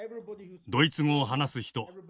ドイツ語を話す人